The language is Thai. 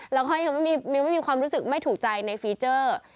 แล้วก็ยังไม่มีความรู้สึกไม่ถูกใจในฟีเจอร์